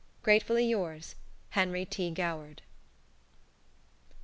"Gratefully yours, "Henry T. Goward."